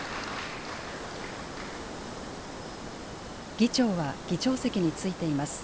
議長は議長席に着いています。